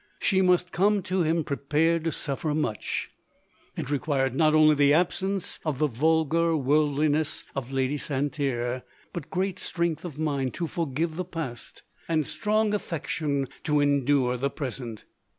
She must come to him prepared to suffer much. It required not only the absence of the vulgar worldliness of Lady Santerre, but great strength of mind to forgive the past, and 240 LODORE. strong affection to endure the present.